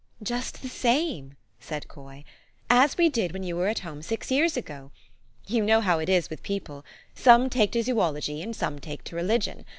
" Just the same," said Coy, " as we did when you THE STORY OP AVIS. 31 were at home six years ago. You know how it is with people : some take to zoology, and some take to religion.